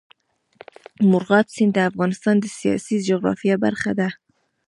مورغاب سیند د افغانستان د سیاسي جغرافیه برخه ده.